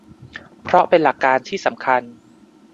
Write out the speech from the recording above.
เพราะเป็นหลักการที่สำคัญ